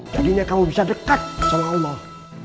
jadinya kamu bisa dekat sama allah